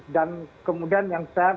dan kemudian yang